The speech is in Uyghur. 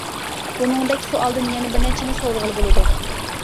بۇنىڭدەك سوئالدىن يەنە بىرنەچچىنى سورىغىلى بولىدۇ.